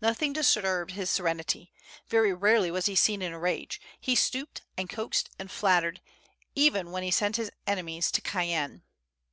Nothing disturbed his serenity; very rarely was he seen in a rage; he stooped and coaxed and flattered, even when he sent his enemies to Cayenne.